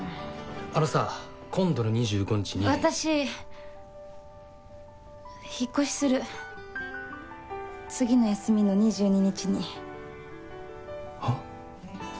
あのさ今度の２５日に私引っ越しする次の休みの２２日にはっ？